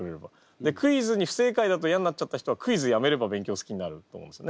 でクイズに不正解だと嫌になっちゃった人はクイズやめれば勉強好きになると思うんですね。